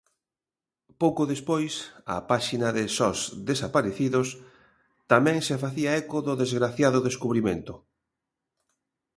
Pouco despois a páxina de SOS Desaparecidos tamén se facía eco do desgraciado descubrimento.